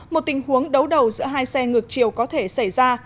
một tình huống đấu đầu giữa hai xe ngược chiều có thể xảy ra